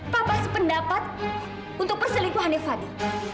papa sependapat untuk perselingkuhannya fadi